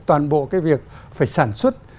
toàn bộ cái việc phải sản xuất